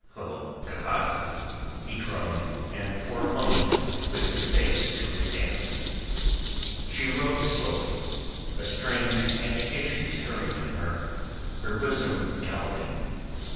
O God!" he groaned, and for a moment put his face to his hands. She rose slowly, a strange agitation stirring in her, her bosom galloping.